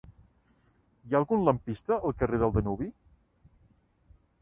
Hi ha algun lampista al carrer del Danubi?